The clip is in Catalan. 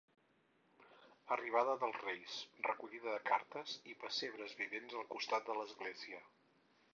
Arribada dels reis, recollida de cartes i pessebre vivent al costat de l'església.